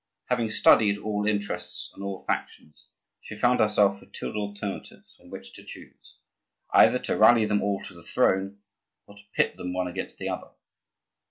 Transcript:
Having studied all interests and all factions, she found herself with two alternatives from which to choose; either to rally them all to the throne, or to pit them one against the other.